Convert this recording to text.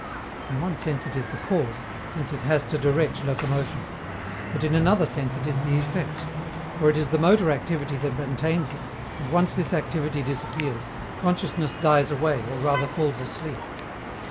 In one sense it is the cause, since it has to direct locomotion. But in another sense it is the effect; for it is the motor activity that maintains it, and, once this activity disappears, consciousness dies away or rather falls asleep.